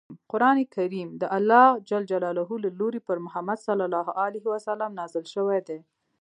قران کریم د الله ج له لورې په محمد ص نازل شوی دی.